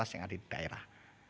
yang ada di daerah